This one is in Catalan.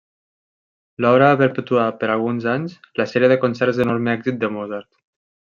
L'obra va perpetuar per alguns anys la sèrie de concerts d'enorme èxit de Mozart.